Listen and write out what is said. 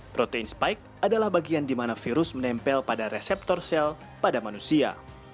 protein spike adalah bagian di mana virus menempel pada reseptor sel pada manusia